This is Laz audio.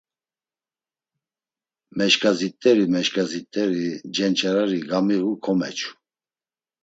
Meşǩazit̆eri meşǩazit̆eri cenç̌areri gamiğu, komeçu.